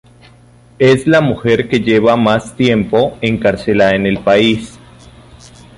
Es la mujer que lleva más tiempo encarcelada en el país.